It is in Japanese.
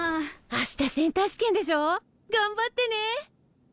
明日センター試験でしょ？頑張ってね！